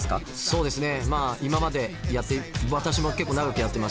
そうですね。